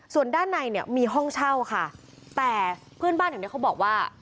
ส่วนด้านในเนี่ยมีห้องเช่าค่ะแต่เพื่อนบ้านแถวเนี้ยเขาบอกว่า